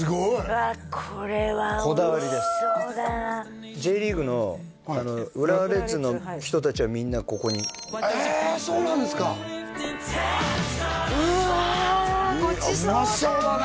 うわこれはおいしそうだなＪリーグの浦和レッズの人達はみんなここにえそうなんですかうわごちそうだうまそうだね